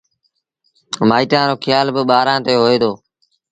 مآئيٚٽآݩ رو کيآل با ٻآرآݩ تي هوئي دو۔